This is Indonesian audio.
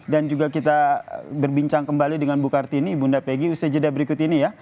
dan juga kita berbincang kembali dengan bu kartini bunda peggy usai jeda berikut ini ya